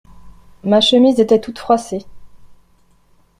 Ma chemise était toute froissée.